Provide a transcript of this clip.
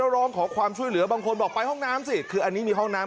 ร้องขอความช่วยเหลือบางคนบอกไปห้องน้ำสิ